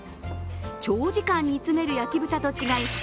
長時間煮詰める焼豚と違い